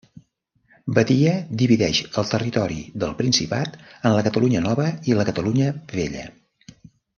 Badia divideix el territori del Principat en la Catalunya Nova i la Catalunya Vella.